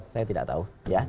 saya tidak tahu